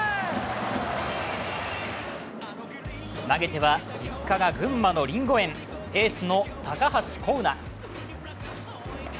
投げては、実家が群馬のりんご園、エースの高橋光成。